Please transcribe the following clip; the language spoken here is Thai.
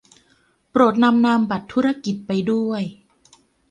โปรดนำนามบัตรธุรกิจไปด้วย